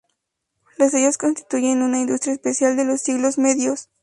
Lo sellos constituyen una industria especial de los siglos medios.